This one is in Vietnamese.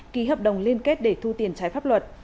ký hợp đồng liên kết để thu tiền trái pháp luật